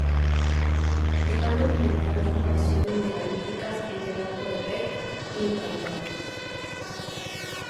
Están documentadas formaciones megalíticas en el "Alto de Rade" y en "Cantón".